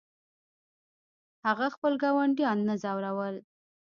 هغه خپل ګاونډیان نه ځورول.